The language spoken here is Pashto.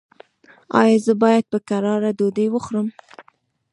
ایا زه باید په کراره ډوډۍ وخورم؟